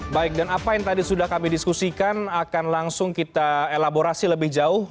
baik dan apa yang tadi sudah kami diskusikan akan langsung kita elaborasi lebih jauh